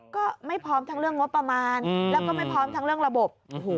ก็ไม่พร้อมทั้งเรื่องงบประมาณแล้วก็ไม่พร้อมทั้งเรื่องระบบ